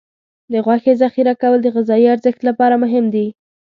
د غوښې ذخیره کول د غذايي ارزښت لپاره مهم دي.